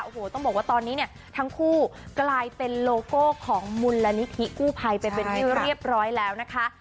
โอ้โหต้องบอกว่าตอนนี้เนี่ยทั้งคู่กลายเป็นโลโก้ของมูลนิธิกู้ภัยไปเป็นที่เรียบร้อยแล้วนะคะ